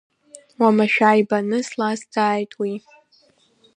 Уамашәа ибаны слазҵааит уи.